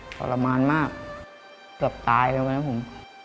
ก่อร่ามาณมากเกือบตายแล้วนะผม